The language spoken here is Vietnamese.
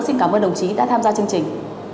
xin cảm ơn đồng chí đã tham gia chương trình